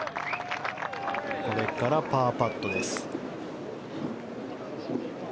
これからパーパットです。